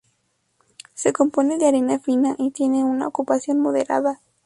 Se compone de arena fina y tiene una ocupación moderada.